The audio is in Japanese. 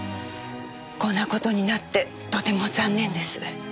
こんな事になってとても残念です。